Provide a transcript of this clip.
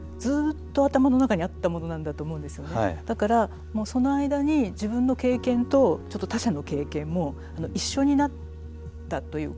だからその間に自分の経験とちょっと他者の経験も一緒になったというか。